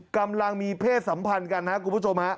กำลังมีเพศสัมพันธ์กันนะครับคุณผู้ชมฮะ